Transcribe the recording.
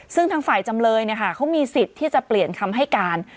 ซึ่งทางฝ่ายจำเลยเขามีสิทธิ์ที่จะเปลี่ยนคำให้การ